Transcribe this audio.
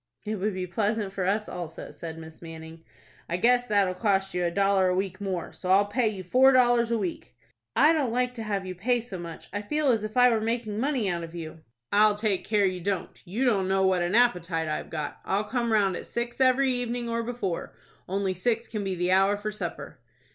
"It would be pleasant for us also," said Miss Manning. "I guess that'll cost you a dollar a week more, so I'll pay you four dollars a week." "I don't like to have you pay so much. I feel as if I were making money out of you." "I'll take care you don't. You don't know what an appetite I've got. I'll come round at six every evening, or before; only six can be the hour for supper."